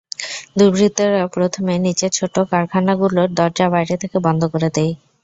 দুর্বৃত্তরা প্রথমে নিচে ছোট কারখানাগুলোর দরজা বাইরে থেকে বন্ধ করে দেয়।